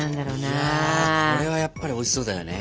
いやこれはやっぱりおいしそうだよね。